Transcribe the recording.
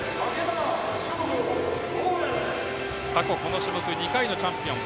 過去この種目２回のチャンピオン。